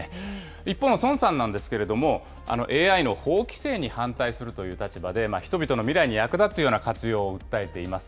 一方の孫さんなんですけれども、ＡＩの法規制に反対するという立場で、人々の未来に役立つような活用を訴えています。